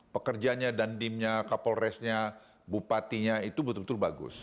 pekerjanya dan timnya kapolresnya bupatinya itu betul betul bagus